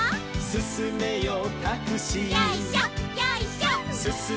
「すすめよタクシー」